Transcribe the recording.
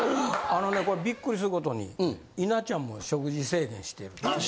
あのねこれビックリする事に稲ちゃんも食事制限してるねん。